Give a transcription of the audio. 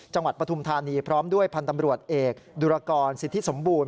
ปฐุมธานีพร้อมด้วยพันธ์ตำรวจเอกดุรกรสิทธิสมบูรณ